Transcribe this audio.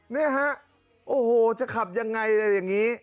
เนี่ยฮะโอ้โหจะขับยังไงเลยอย่างนี้